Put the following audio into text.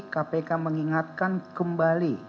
kpk mengingatkan kembali